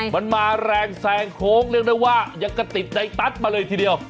มันมาแรงแซงโค้งเรียกได้ว่ายังกระติดในตัสมาเลยทีเดียว